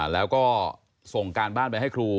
แล้วก็ส่งการบ้านไปให้ครู